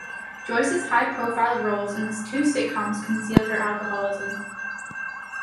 Joyce's high-profile roles in the two sitcoms concealed her alcoholism.